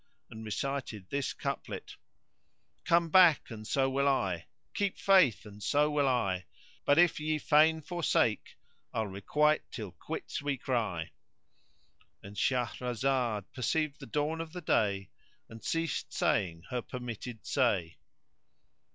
and recited this couplet: Come back and so will I! Keep faith and so will I! * But if ye fain forsake, I'll requite till quits we cry! And Shahrazad perceived the dawn of day and ceased saying her permitted say.